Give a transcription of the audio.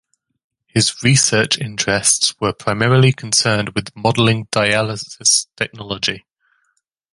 His research interests were primarily concerned with modeling dialysis technology.